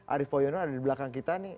arief poyono ada di belakang kita nih